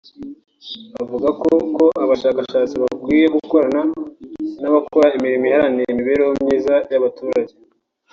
avuga ko ko abashakashatsi bakwiye gukorana n’abakora imirimo iharanira imibereho myiza y’abaturage